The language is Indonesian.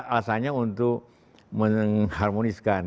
alasannya untuk mengharmoniskan